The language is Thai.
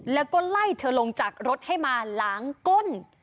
แล้วก็ไล่เธอลงจากรถให้มาล้างก้น